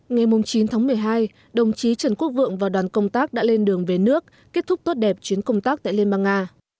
ngày chín tháng một mươi hai đồng chí trần quốc vượng và đoàn công tác đã lên đường về nước kết thúc tốt đẹp chuyến công tác tại liên bang nga